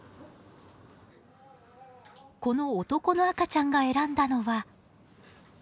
この男の赤ちゃんが選んだのは。